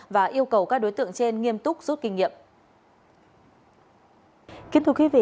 và yêu cầu các đối tượng trên nghiêm túc rút kinh nghiệm